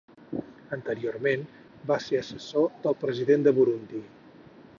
Anteriorment, va ser assessor del president de Burundi.